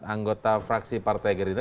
anggota fraksi partai gerindra